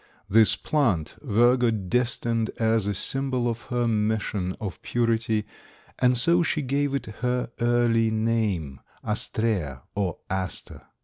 This plant, Virgo destined as a symbol of her mission of purity and so she gave it her early name, Astraea or Aster.